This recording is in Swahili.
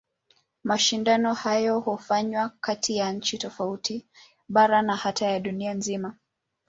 Mashindano hayo hufanywa kati ya nchi tofauti, bara na hata ya dunia nzima.